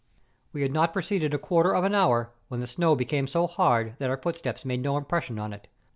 We had not proceeded a quarter of an hour when the snow became so hard that our footsteps made no impression on it.